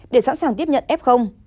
để sẵn sàng tiếp nhận f